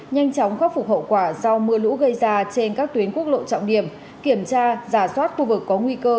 nhanh chóng khắc phục hậu quả do mưa lũ gây ra trên các tuyến quốc lộ trọng điểm kiểm tra giả soát khu vực có nguy cơ